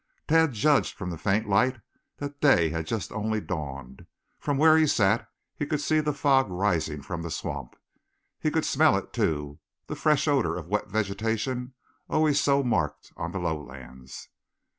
Tad judged from the faint light that day had only just dawned. From where he sat he could see the fog rising from the swamp. He could smell it, too, that fresh odor of wet vegetation, always so marked on the low lands.